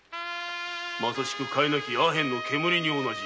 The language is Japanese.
まさしく甲斐なきアヘンの煙に同じ。